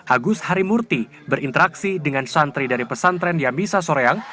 agus harimurti berinteraksi dengan santri dari pesantren yamisa soreang